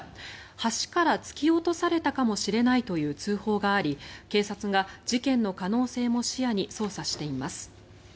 橋から突き落とされたかもしれないという通報があり警察が事件の可能性も視野に捜査しています。